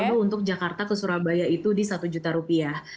dan ke jakarta ke surabaya itu di satu juta rupiah